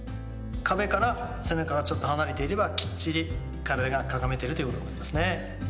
壁から背中がちょっと離れていればきっちり体がかがめているということになりますね。